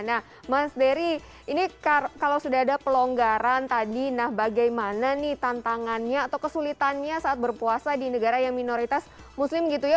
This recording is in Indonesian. nah mas dery ini kalau sudah ada pelonggaran tadi nah bagaimana nih tantangannya atau kesulitannya saat berpuasa di negara yang minoritas muslim gitu ya